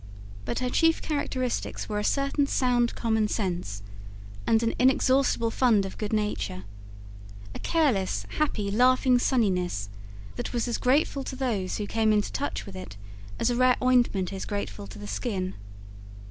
But her chief characteristics were a certain sound common sense, and an inexhaustible fund of good nature a careless, happy, laughing sunniness, that was as grateful to those who came into touch with it as a rare ointment is grateful to the skin.